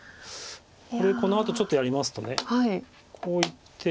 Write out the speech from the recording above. これこのあとちょっとやりますとこういって。